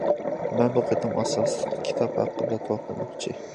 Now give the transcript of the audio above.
مەن بۇ قېتىم ئاساسلىقى كىتاب ھەققىدە توختالماقچى.